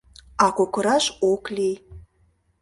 А кокыраш ок лий.